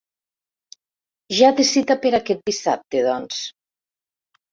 Ja té cita per aquest dissabte, doncs.